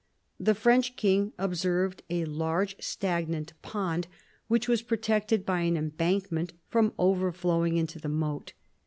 The French king observed a large stagnant pond which was protected by an embankment from over flowing into the moat.